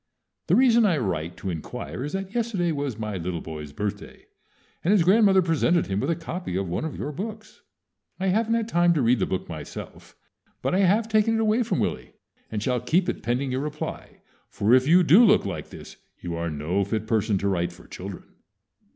The reason I write to inquire is that yesterday was my little boy's birthday, and his grandmother presented him with a copy of one of your books. I haven't had time to read the book myself; but I have taken it away from Willie, and shall keep it pending your reply, for if you do look like this, you are no fit person to write for children.